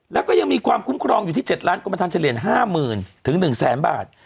แล้วก็ยังมีความคุ้มครองอยู่ที่๗ล้านกรมฐานเฉลี่ย๕๐๐๐๑๐๐๐บาท